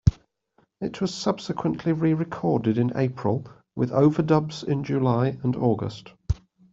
It was subsequently re-recorded in April, with overdubs in July and August.